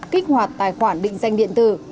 kích hoạt tài khoản định danh điện tử